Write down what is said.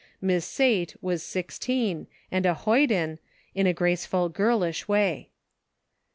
Miss Sate was six teen, and a hoyden, in a graceful, girlish way.